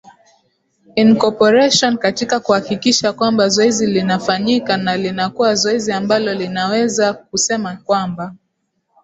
incorporation katika kuhakikisha kwamba zoezi linafanyika na linakuwa zoezi ambalo ninaweza kusema kwamba